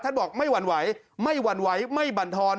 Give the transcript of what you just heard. บอกไม่หวั่นไหวไม่หวั่นไหวไม่บรรทอน